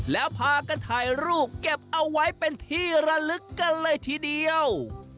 แล้วพากันถ่ายรูปเก็บเอาไว้เป็นที่ระลึกกันเลยทีเดียว